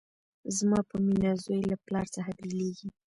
زما په مینه زوی له پلار څخه بیلیږي